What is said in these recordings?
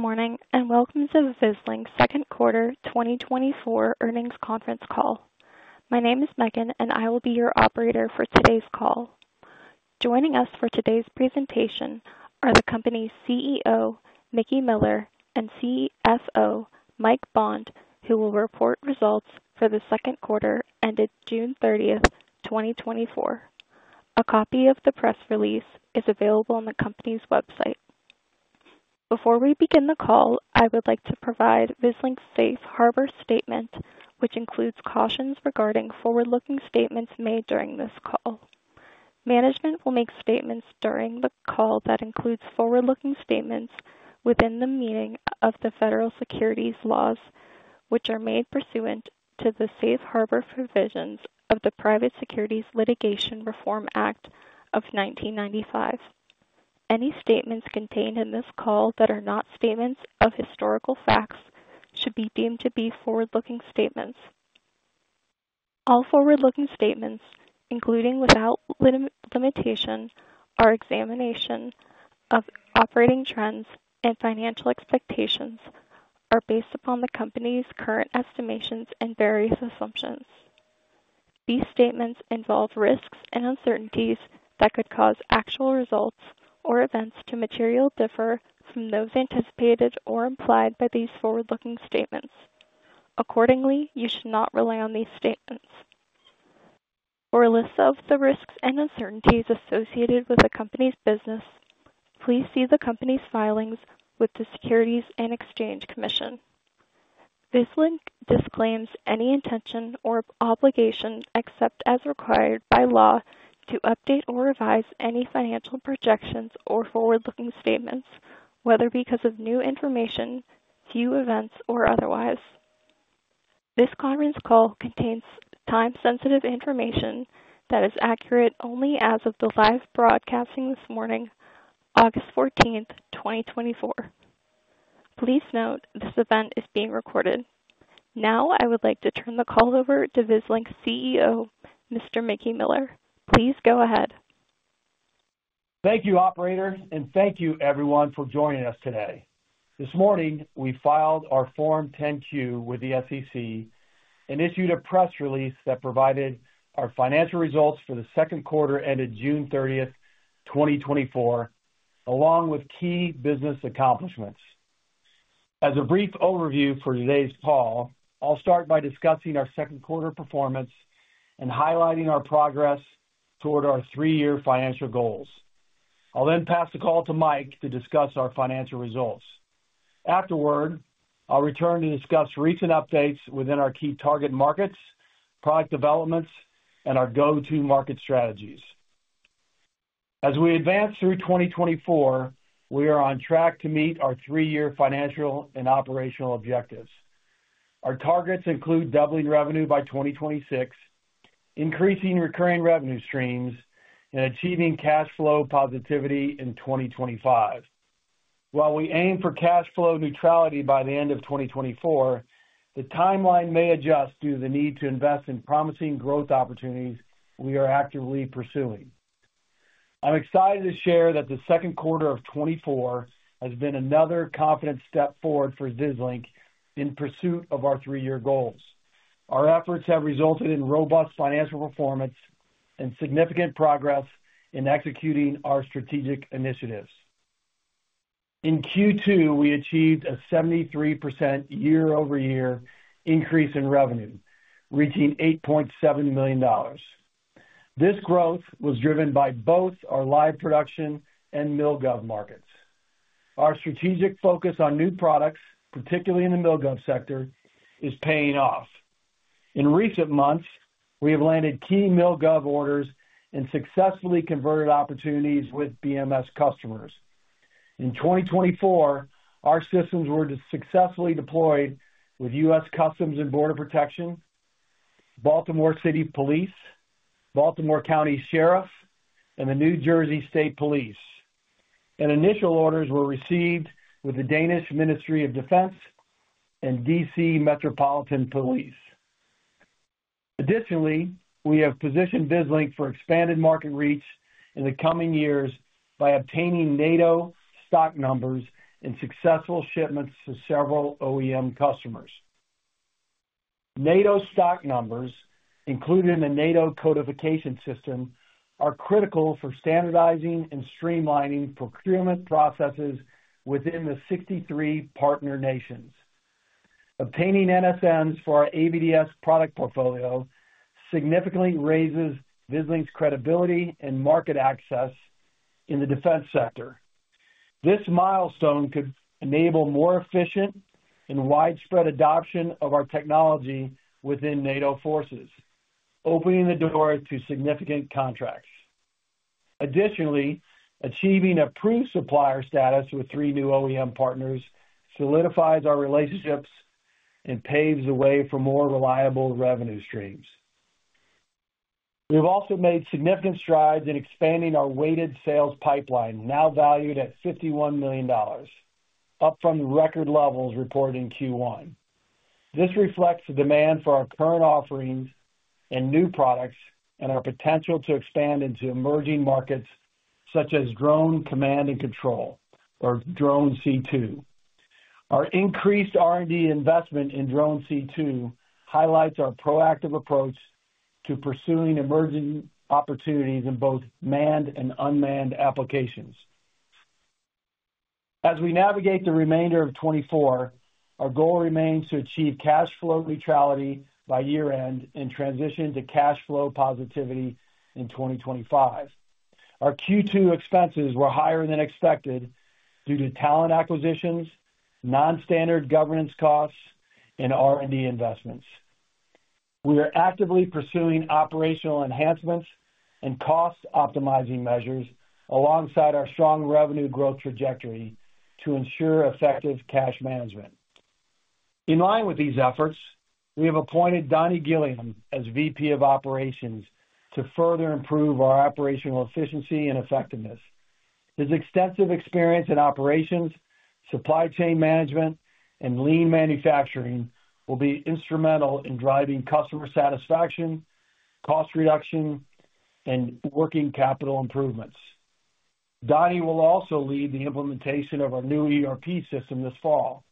Good morning, and welcome to the Vislink Second Quarter 2024 Earnings Conference Call. My name is Megan, and I will be your operator for today's call. Joining us for today's presentation are the company's CEO, Mickey Miller, and CFO, Mike Bond, who will report results for the second quarter ended June 30th, 2024. A copy of the press release is available on the company's website. Before we begin the call, I would like to provide Vislink's safe harbor statement, which includes cautions regarding forward-looking statements made during this call. Management will make statements during the call that include forward-looking statements within the meaning of the federal securities laws, which are made pursuant to the safe harbor provisions of the Private Securities Litigation Reform Act of 1995. Any statements contained in this call that are not statements of historical facts should be deemed to be forward-looking statements. All forward-looking statements, including without limitation, an examination of operating trends and financial expectations, are based upon the company's current estimations and various assumptions. These statements involve risks and uncertainties that could cause actual results or events to materially differ from those anticipated or implied by these forward-looking statements. Accordingly, you should not rely on these statements. For a list of the risks and uncertainties associated with the company's business, please see the company's filings with the Securities and Exchange Commission. Vislink disclaims any intention or obligation, except as required by law, to update or revise any financial projections or forward-looking statements, whether because of new information, new events, or otherwise. This conference call contains time-sensitive information that is accurate only as of the live broadcast this morning, August 14th, 2024. Please note, this event is being recorded. Now, I would like to turn the call over to Vislink's CEO, Mr. Mickey Miller. Please go ahead. Thank you, operator, and thank you everyone for joining us today. This morning, we filed our Form 10-Q with the SEC and issued a press release that provided our financial results for the second quarter ended June 30th, 2024, along with key business accomplishments. As a brief overview for today's call, I'll start by discussing our second quarter performance and highlighting our progress toward our three-year financial goals. I'll then pass the call to Mike to discuss our financial results. Afterward, I'll return to discuss recent updates within our key target markets, product developments, and our go-to-market strategies. As we advance through 2024, we are on track to meet our three-year financial and operational objectives. Our targets include doubling revenue by 2026, increasing recurring revenue streams, and achieving cash flow positivity in 2025. While we aim for cash flow neutrality by the end of 2024, the timeline may adjust due to the need to invest in promising growth opportunities we are actively pursuing. I'm excited to share that the second quarter of 2024 has been another confident step forward for Vislink in pursuit of our three-year goals. Our efforts have resulted in robust financial performance and significant progress in executing our strategic initiatives. In Q2, we achieved a 73% year-over-year increase in revenue, reaching $8.7 million. This growth was driven by both our live production and MilGov markets. Our strategic focus on new products, particularly in the MilGov sector, is paying off. In recent months, we have landed key MilGov orders and successfully converted opportunities with BMS customers. In 2024, our systems were successfully deployed with U.S. Customs and Border Protection, Baltimore City Police Department, Baltimore County Sheriff's Office, and the New Jersey State Police, and initial orders were received with the Danish Ministry of Defense and D.C. Metropolitan Police. Additionally, we have positioned Vislink for expanded market reach in the coming years by obtaining NATO stock numbers and successful shipments to several OEM customers. NATO stock numbers, included in the NATO Codification System, are critical for standardizing and streamlining procurement processes within the 63 partner nations. Obtaining NSNs for our AVDS product portfolio significantly raises Vislink's credibility and market access in the defense sector. This milestone could enable more efficient and widespread adoption of our technology within NATO forces, opening the door to significant contracts. Additionally, achieving approved supplier status with three new OEM partners solidifies our relationships and paves the way for more reliable revenue streams. We've also made significant strides in expanding our weighted sales pipeline, now valued at $51 million, up from record levels reported in Q1. This reflects the demand for our current offerings and new products, and our potential to expand into emerging markets such as drone command and control, or drone C2. Our increased R&D investment in drone C2 highlights our proactive approach to pursuing emerging opportunities in both manned and unmanned applications. As we navigate the remainder of 2024, our goal remains to achieve cash flow neutrality by year-end and transition to cash flow positivity in 2025. Our Q2 expenses were higher than expected due to talent acquisitions, non-standard governance costs, and R&D investments. We are actively pursuing operational enhancements and cost optimizing measures alongside our strong revenue growth trajectory to ensure effective cash management. In line with these efforts, we have appointed Donnie Gilliam as VP of Operations to further improve our operational efficiency and effectiveness. His extensive experience in operations, supply chain management, and lean manufacturing will be instrumental in driving customer satisfaction, cost reduction, and working capital improvements. Donnie will also lead the implementation of our new ERP system this fall,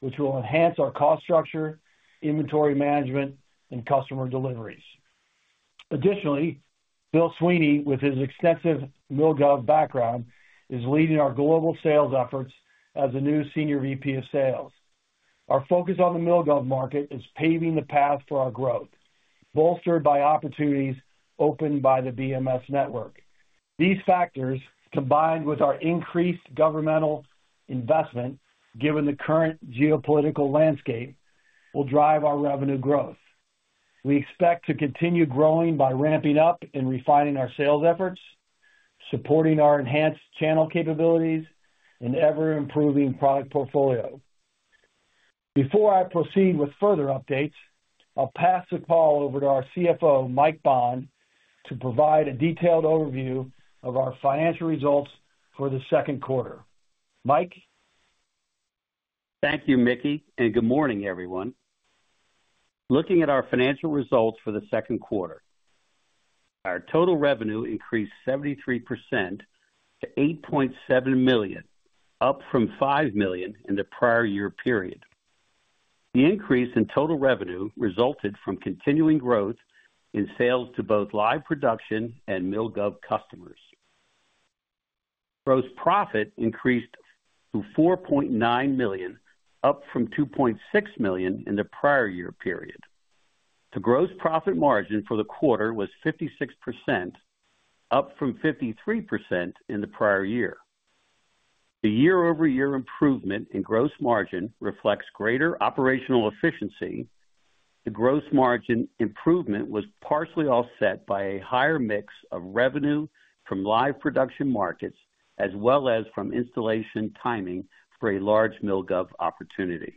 which will enhance our cost structure, inventory management, and customer deliveries. Additionally, Bill Sweeney, with his extensive MilGov background, is leading our global sales efforts as the new Senior VP of Sales. Our focus on the MilGov market is paving the path for our growth, bolstered by opportunities opened by the BMS network. These factors, combined with our increased governmental investment, given the current geopolitical landscape, will drive our revenue growth. We expect to continue growing by ramping up and refining our sales efforts, supporting our enhanced channel capabilities and ever-improving product portfolio. Before I proceed with further updates, I'll pass the call over to our CFO, Mike Bond, to provide a detailed overview of our financial results for the second quarter. Mike? Thank you, Mickey, and good morning, everyone. Looking at our financial results for the second quarter, our total revenue increased 73% to $8.7 million, up from $5 million in the prior year period. The increase in total revenue resulted from continuing growth in sales to both live production and MilGov customers. Gross profit increased to $4.9 million, up from $2.6 million in the prior year period. The gross profit margin for the quarter was 56%, up from 53% in the prior year. The year-over-year improvement in gross margin reflects greater operational efficiency. The gross margin improvement was partially offset by a higher mix of revenue from live production markets, as well as from installation timing for a large MilGov opportunity.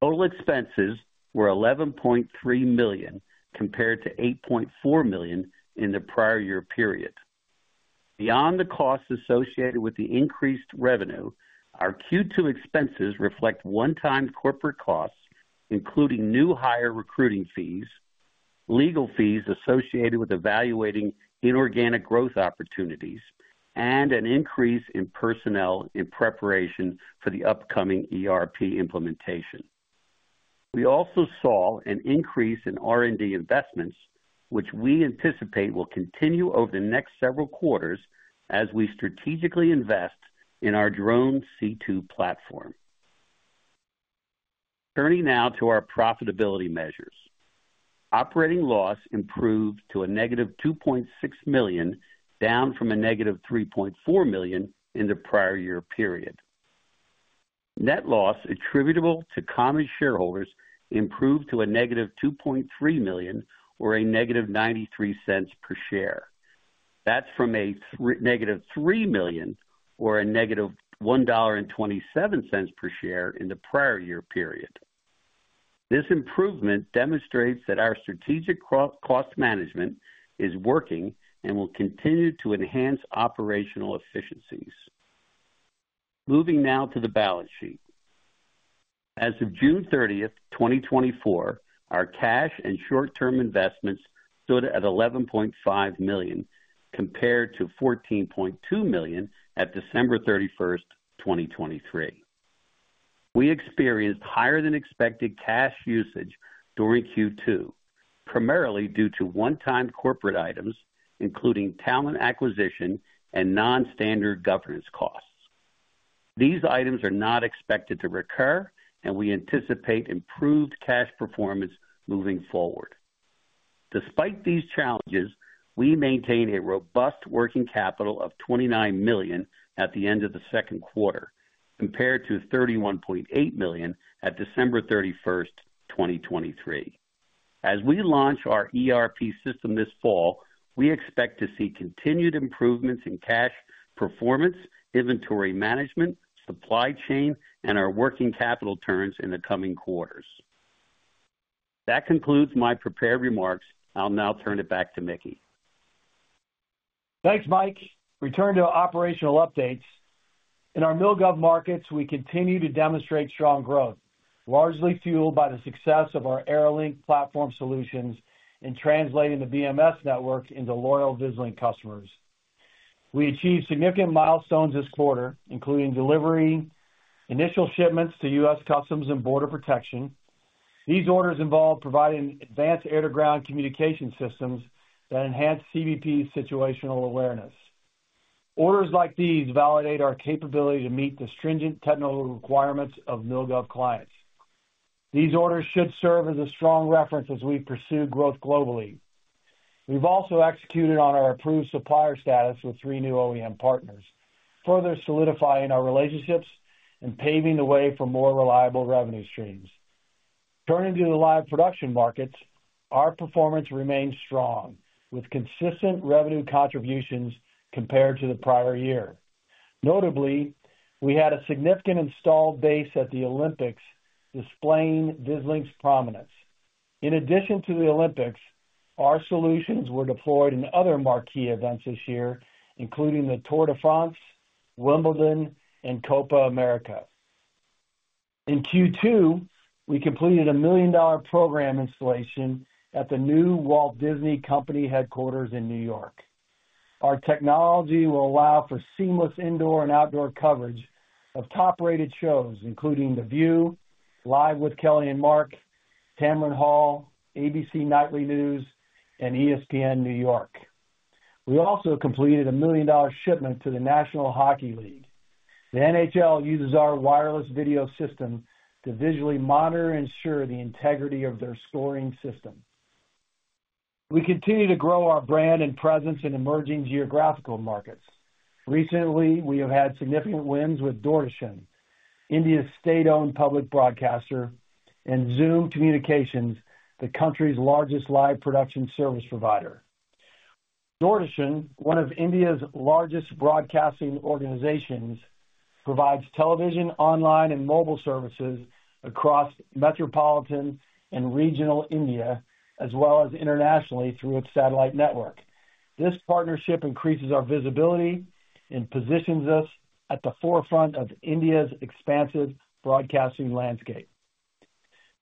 Total expenses were $11.3 million, compared to $8.4 million in the prior year period. Beyond the costs associated with the increased revenue, our Q2 expenses reflect one-time corporate costs, including new hire recruiting fees, legal fees associated with evaluating inorganic growth opportunities, and an increase in personnel in preparation for the upcoming ERP implementation. We also saw an increase in R&D investments, which we anticipate will continue over the next several quarters as we strategically invest in our drone C2 platform. Turning now to our profitability measures. Operating loss improved to a negative $2.6 million, down from a negative $3.4 million in the prior year period. Net loss attributable to common shareholders improved to a negative $2.3 million, or a negative $0.93 per share. That's from a negative $3 million or a negative $1.27 per share in the prior year period. This improvement demonstrates that our strategic cost management is working and will continue to enhance operational efficiencies. Moving now to the balance sheet. As of June 30th, 2024, our cash and short-term investments stood at $11.5 million, compared to $14.2 million at December 31st, 2023. We experienced higher than expected cash usage during Q2, primarily due to one-time corporate items, including talent acquisition and non-standard governance costs. These items are not expected to recur, and we anticipate improved cash performance moving forward. Despite these challenges, we maintain a robust working capital of $29 million at the end of the second quarter, compared to $31.8 million at December 31st, 2023. As we launch our ERP system this fall, we expect to see continued improvements in cash performance, inventory management, supply chain, and our working capital turns in the coming quarters. That concludes my prepared remarks. I'll now turn it back to Mickey. Thanks, Mike. Returning to operational updates, in our MilGov markets, we continue to demonstrate strong growth, largely fueled by the success of our AeroLink platform solutions in translating the VMS network into loyal Vislink customers. We achieved significant milestones this quarter, including delivering initial shipments to U.S. Customs and Border Protection. These orders involve providing advanced air-to-ground communication systems that enhance CBP situational awareness. Orders like these validate our capability to meet the stringent technical requirements of MilGov clients. These orders should serve as a strong reference as we pursue growth globally. We've also executed on our approved supplier status with three new OEM partners, further solidifying our relationships and paving the way for more reliable revenue streams. Turning to the live production markets, our performance remains strong, with consistent revenue contributions compared to the prior year. Notably, we had a significant installed base at the Olympics, displaying Vislink's prominence. In addition to the Olympics, our solutions were deployed in other marquee events this year, including the Tour de France, Wimbledon, and Copa America. In Q2, we completed a $1 million program installation at the new Walt Disney Company headquarters in New York. Our technology will allow for seamless indoor and outdoor coverage of top-rated shows, including The View, Live with Kelly and Mark, Tamron Hall, ABC Nightly News, and ESPN New York. We also completed a $1 million shipment to the National Hockey League. The NHL uses our wireless video system to visually monitor and ensure the integrity of their scoring system. We continue to grow our brand and presence in emerging geographical markets. Recently, we have had significant wins with Doordarshan, India's state-owned public broadcaster, and Zoom Communications, the country's largest live production service provider. Doordarshan, one of India's largest broadcasting organizations, provides television, online, and mobile services across metropolitan and regional India, as well as internationally through its satellite network. This partnership increases our visibility and positions us at the forefront of India's expansive broadcasting landscape.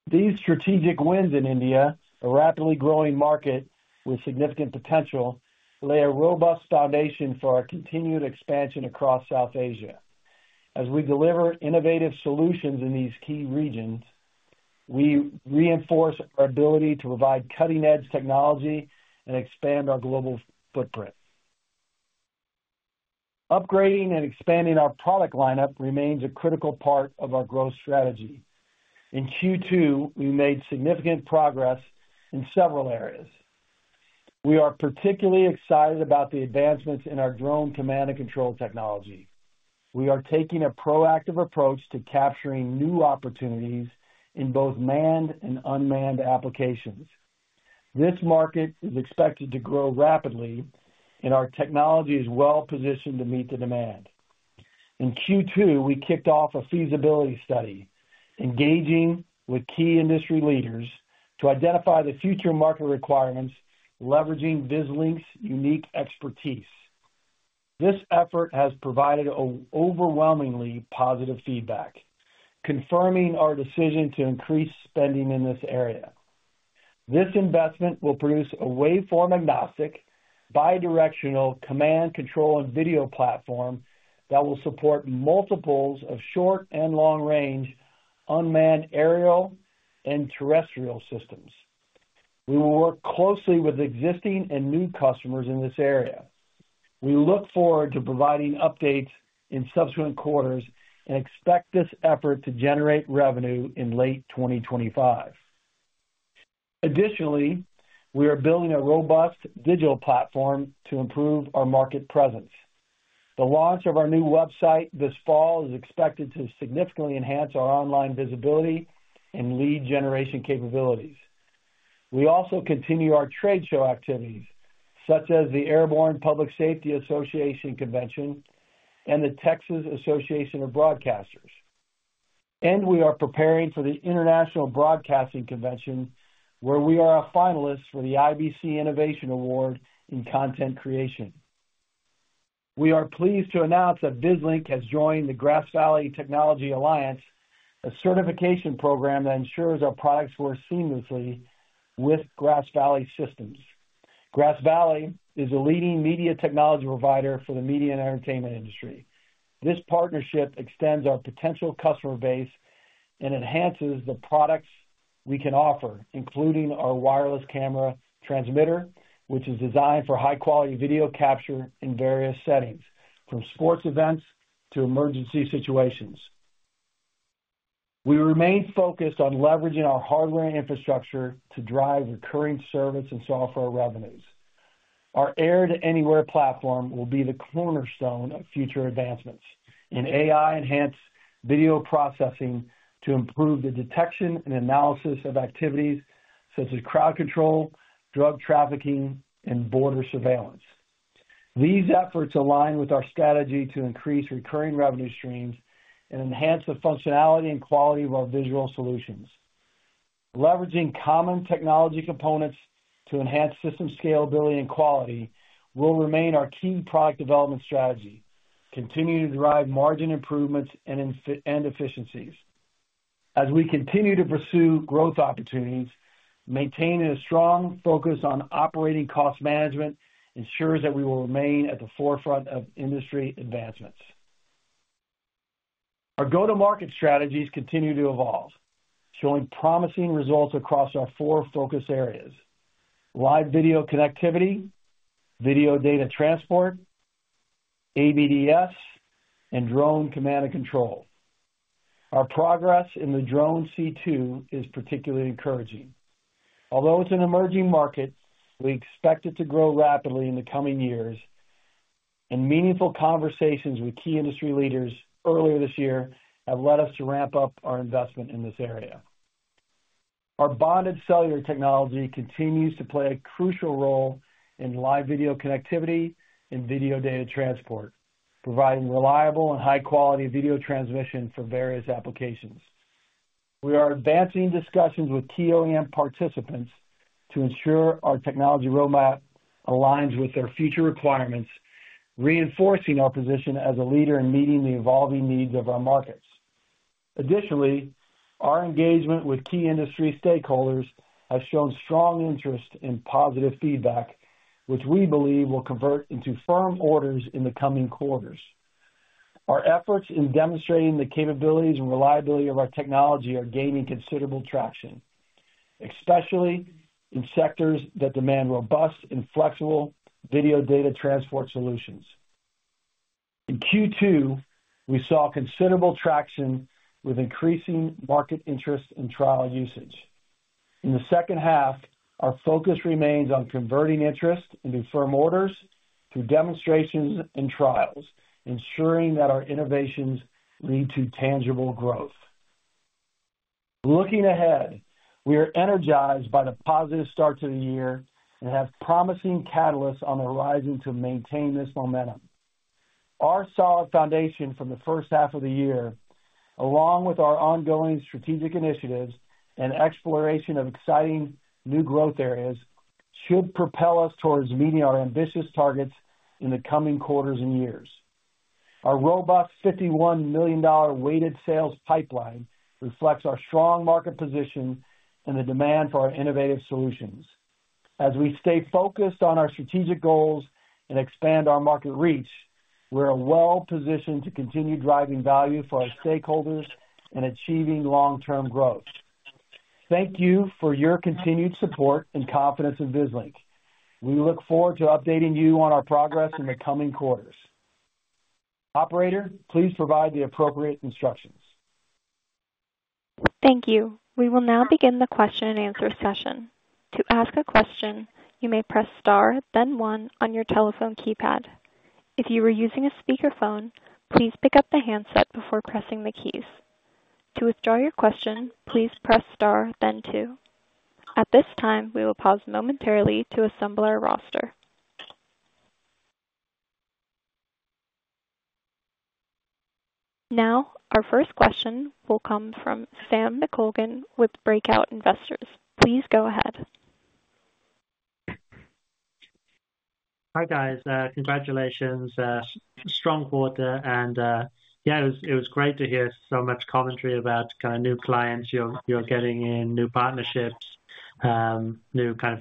These strategic wins in India, a rapidly growing market with significant potential, lay a robust foundation for our continued expansion across South Asia. As we deliver innovative solutions in these key regions, we reinforce our ability to provide cutting-edge technology and expand our global footprint. Upgrading and expanding our product lineup remains a critical part of our growth strategy. In Q2, we made significant progress in several areas. We are particularly excited about the advancements in our drone command and control technology. We are taking a proactive approach to capturing new opportunities in both manned and unmanned applications. This market is expected to grow rapidly, and our technology is well positioned to meet the demand. In Q2, we kicked off a feasibility study, engaging with key industry leaders to identify the future market requirements, leveraging Vislink's unique expertise. This effort has provided overwhelmingly positive feedback, confirming our decision to increase spending in this area. This investment will produce a waveform-agnostic, bidirectional command, control, and video platform that will support multiples of short and long-range unmanned aerial and terrestrial systems. We will work closely with existing and new customers in this area. We look forward to providing updates in subsequent quarters and expect this effort to generate revenue in late 2025. Additionally, we are building a robust digital platform to improve our market presence. The launch of our new website this fall is expected to significantly enhance our online visibility and lead generation capabilities. We also continue our trade show activities, such as the Airborne Public Safety Association Convention and the Texas Association of Broadcasters. We are preparing for the International Broadcasting Convention, where we are a finalist for the IBC Innovation Award in Content Creation. We are pleased to announce that Vislink has joined the Grass Valley Technology Alliance, a certification program that ensures our products work seamlessly with Grass Valley systems. Grass Valley is a leading media technology provider for the media and entertainment industry. This partnership extends our potential customer base and enhances the products we can offer, including our wireless camera transmitter, which is designed for high-quality video capture in various settings, from sports events to emergency situations. We remain focused on leveraging our hardware and infrastructure to drive recurring service and software revenues. Our Air to Anywhere platform will be the cornerstone of future advancements in AI-enhanced video processing to improve the detection and analysis of activities such as crowd control, drug trafficking, and border surveillance. These efforts align with our strategy to increase recurring revenue streams and enhance the functionality and quality of our visual solutions. Leveraging common technology components to enhance system scalability and quality will remain our key product development strategy, continuing to drive margin improvements and inefficiencies. As we continue to pursue growth opportunities, maintaining a strong focus on operating cost management ensures that we will remain at the forefront of industry advancements. Our go-to-market strategies continue to evolve, showing promising results across our four focus areas: live video connectivity, video data transport, AVDS, and drone command and control. Our progress in the drone C2 is particularly encouraging. Although it's an emerging market, we expect it to grow rapidly in the coming years, and meaningful conversations with key industry leaders earlier this year have led us to ramp up our investment in this area. Our Bonded Cellular technology continues to play a crucial role in live video connectivity and video data transport, providing reliable and high-quality video transmission for various applications. We are advancing discussions with key OEM participants to ensure our technology roadmap aligns with their future requirements, reinforcing our position as a leader in meeting the evolving needs of our markets. Additionally, our engagement with key industry stakeholders has shown strong interest and positive feedback, which we believe will convert into firm orders in the coming quarters. Our efforts in demonstrating the capabilities and reliability of our technology are gaining considerable traction, especially in sectors that demand robust and flexible video data transport solutions. In Q2, we saw considerable traction with increasing market interest and trial usage. In the second half, our focus remains on converting interest into firm orders through demonstrations and trials, ensuring that our innovations lead to tangible growth. Looking ahead, we are energized by the positive start to the year and have promising catalysts on the horizon to maintain this momentum. Our solid foundation from the first half of the year, along with our ongoing strategic initiatives and exploration of exciting new growth areas, should propel us towards meeting our ambitious targets in the coming quarters and years. Our robust $51 million weighted sales pipeline reflects our strong market position and the demand for our innovative solutions. As we stay focused on our strategic goals and expand our market reach, we're well positioned to continue driving value for our stakeholders and achieving long-term growth. Thank you for your continued support and confidence in Vislink. We look forward to updating you on our progress in the coming quarters. Operator, please provide the appropriate instructions. Thank you. We will now begin the question-and-answer session. To ask a question, you may press star then one on your telephone keypad. If you are using a speakerphone, please pick up the handset before pressing the keys. To withdraw your question, please press star then two. At this time, we will pause momentarily to assemble our roster. Now, our first question will come from Sam McColgan with Breakout Investors. Please go ahead. Hi, guys. Congratulations. Strong quarter, and yeah, it was, it was great to hear so much commentary about kind of new clients you're, you're getting in, new partnerships, new kind of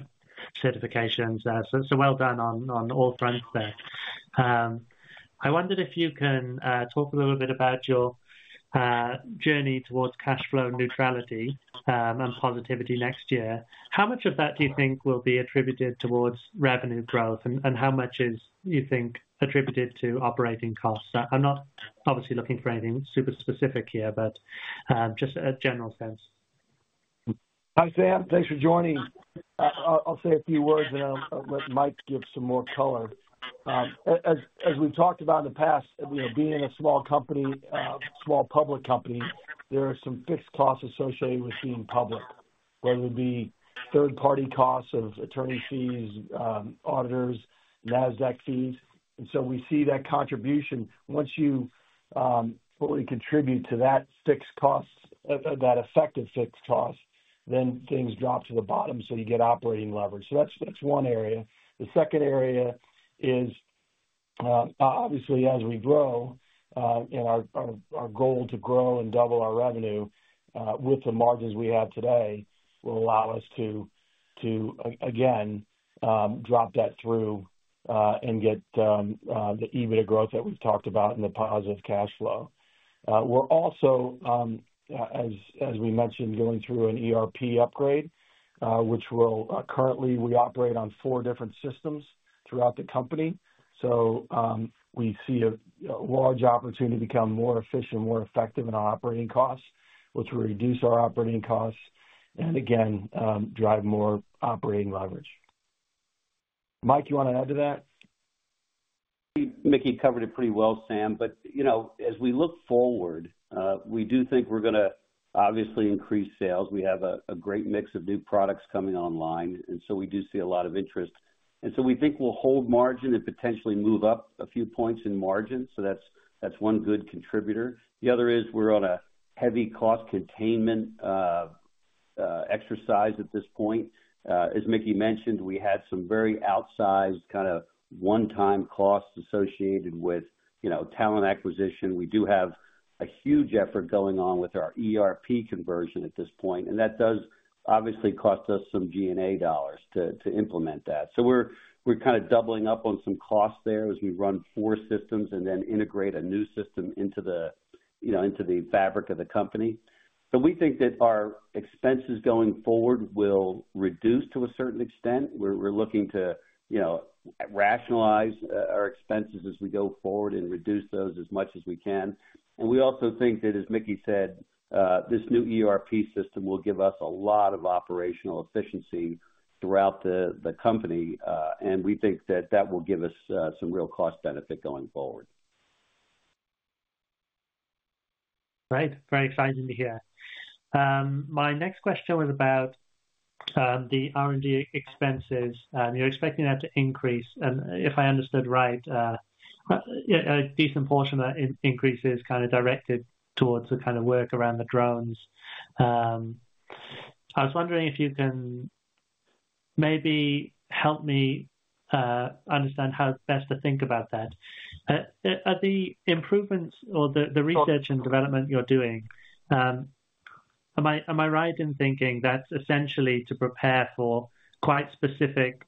certifications. So, so well done on, on all fronts there. I wondered if you can talk a little bit about your journey towards cash flow neutrality, and positivity next year. How much of that do you think will be attributed towards revenue growth, and, and how much is, you think, attributed to operating costs? I'm not obviously looking for anything super specific here, but just a general sense. Hi, Sam. Thanks for joining. I'll say a few words, and let Mike give some more color. As we talked about in the past, you know, being a small company, small public company, there are some fixed costs associated with being public, whether it be third-party costs of attorney fees, auditors, NASDAQ fees, and so we see that contribution. Once you fully contribute to that fixed cost, that effective fixed cost, then things drop to the bottom, so you get operating leverage. So that's one area. The second area is, obviously, as we grow, and our goal to grow and double our revenue, with the margins we have today, will allow us to again drop that through, and get the EBITDA growth that we've talked about and the positive cash flow. We're also, as we mentioned, going through an ERP upgrade, which will, currently we operate on 4 different systems throughout the company. So, we see a large opportunity to become more efficient, more effective in our operating costs, which will reduce our operating costs and again drive more operating leverage. Mike, you want to add to that? Mickey covered it pretty well, Sam, but, you know, as we look forward, we do think we're gonna obviously increase sales. We have a great mix of new products coming online, and so we do see a lot of interest. And so we think we'll hold margin and potentially move up a few points in margin. So that's one good contributor. The other is we're on a heavy cost containment exercise at this point. As Mickey mentioned, we had some very outsized kind of one-time costs associated with, you know, talent acquisition. We do have a huge effort going on with our ERP conversion at this point, and that does obviously cost us some G&A dollars to implement that. So we're kind of doubling up on some costs there as we run four systems and then integrate a new system into the, you know, into the fabric of the company. But we think that our expenses going forward will reduce to a certain extent. We're looking to, you know, rationalize our expenses as we go forward and reduce those as much as we can. And we also think that, as Mickey said, this new ERP system will give us a lot of operational efficiency throughout the company. And we think that that will give us some real cost benefit going forward. Great. Very exciting to hear. My next question was about the R&D expenses. You're expecting that to increase, and if I understood right, a decent portion of that increase is kind of directed towards the kind of work around the drones. I was wondering if you can maybe help me understand how best to think about that. Are the improvements or the research and development you're doing, am I right in thinking that's essentially to prepare for quite specific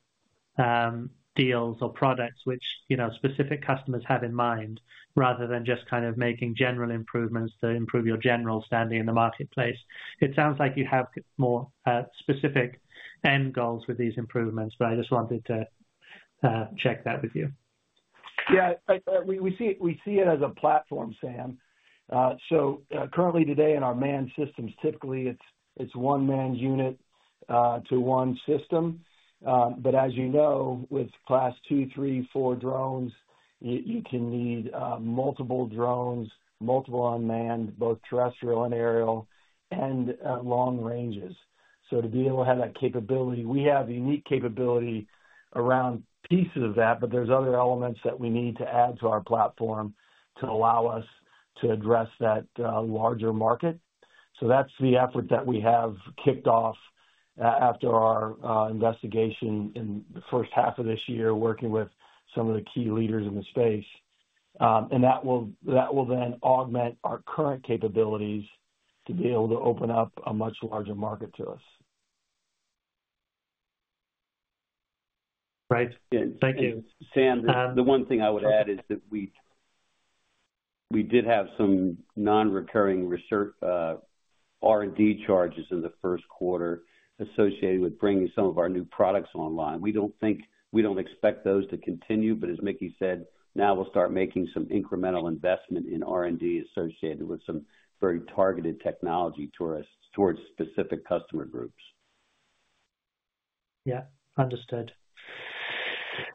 deals or products which, you know, specific customers have in mind, rather than just kind of making general improvements to improve your general standing in the marketplace? It sounds like you have more specific end goals with these improvements, but I just wanted to check that with you. Yeah, we see it as a platform, Sam. So currently today, in our manned systems, typically, it's one-man unit to one system. But as you know, with Class two, three, four drones, you can need multiple drones, multiple unmanned, both terrestrial and aerial, and long ranges. So to be able to have that capability, we have unique capability around pieces of that, but there's other elements that we need to add to our platform to allow us to address that larger market. So that's the effort that we have kicked off after our investigation in the first half of this year, working with some of the key leaders in the space. And that will then augment our current capabilities to be able to open up a much larger market to us. Right. Thank you. Sam, the one thing I would add is that we did have some non-recurring research, R&D charges in the first quarter associated with bringing some of our new products online. We don't think, we don't expect those to continue, but as Mickey said, now we'll start making some incremental investment in R&D associated with some very targeted technology towards specific customer groups. Yeah. Understood.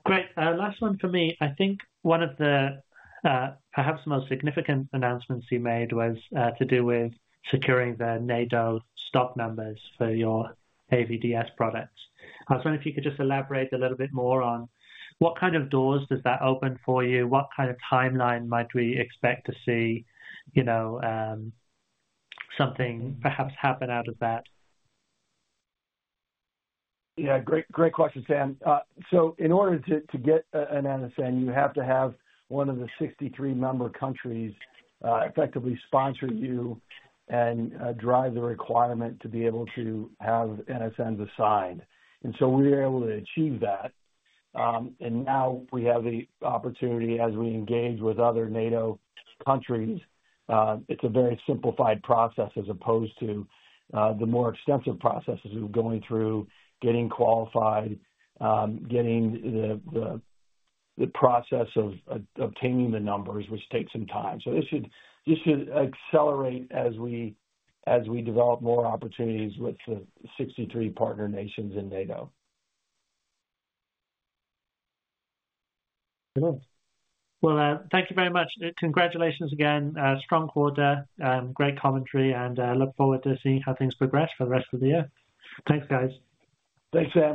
Great. Last one for me. I think one of the, perhaps the most significant announcements you made was to do with securing the NATO stock numbers for your AVDS products. I was wondering if you could just elaborate a little bit more on what kind of doors does that open for you? What kind of timeline might we expect to see, you know, something perhaps happen out of that? Yeah, great, great question, Sam. So in order to get an NSN, you have to have one of the 63 member countries effectively sponsor you and drive the requirement to be able to have NSNs assigned. And so we were able to achieve that. And now we have the opportunity as we engage with other NATO countries. It's a very simplified process as opposed to the more extensive processes of going through, getting qualified, getting the process of obtaining the numbers, which takes some time. So this should accelerate as we develop more opportunities with the 63 partner nations in NATO. Well, thank you very much. Congratulations again. Strong quarter, great commentary, and look forward to seeing how things progress for the rest of the year. Thanks, guys. Thanks, Sam.